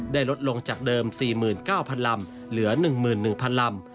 ลดลงจากเดิม๔๙๐๐ลำเหลือ๑๑๐๐๐ลำ